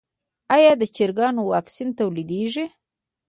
آیا د چرګانو واکسین تولیدیږي؟